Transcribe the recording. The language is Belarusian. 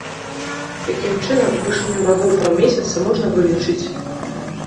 Такім чынам, вышыню рагоў паўмесяца можна вылічыць.